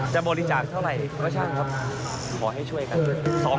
จะบริจาคเท่าไหร่ก็ช่างครับขอให้ช่วยกัน